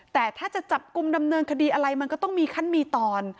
แต่ถ้าจะจับกลุ่มดำเนินคดีอะไรมันก็ต้องมีขั้นมีตอน